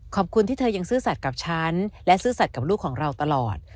ขอบคุณที่เธอยังซื่อสัตว์กับฉันและซื่อสัตว์กับลูกของเราตลอด